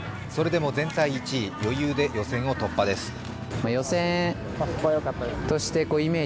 それでも全体１位余裕で予選突破です。